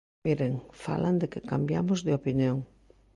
Miren, falan de que cambiamos de opinión.